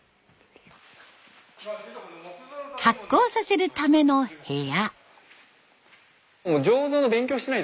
発酵させるための部屋。